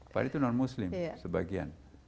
padahal itu non muslim sebagian